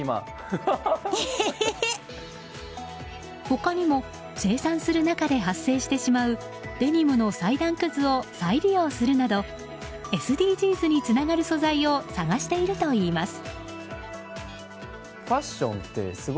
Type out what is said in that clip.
他にも生産する中で発生してしまうデニムの裁断くずを再利用するなどＳＤＧｓにつながる素材を探しているといいます。